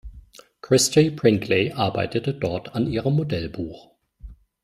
Christie Brinkley arbeitete dort an ihrem Modelbuch.